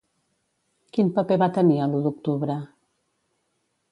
Quin paper va tenir a l'U d'Octubre?